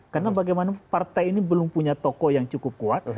karena bagaimana partai ini belum punya toko yang cukup kuat